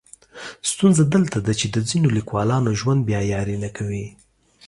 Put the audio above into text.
ستونزه دلته ده چې د ځینو لیکولانو ژوند بیا یاري نه کوي.